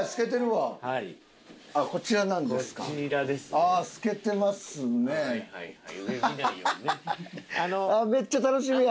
ああめっちゃ楽しみや！